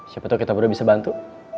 siapa tahu kita berdua bisa bantu